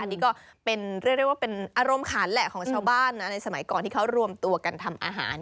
อันนี้ก็เป็นเรียกได้ว่าเป็นอารมณ์ขันแหละของชาวบ้านนะในสมัยก่อนที่เขารวมตัวกันทำอาหาร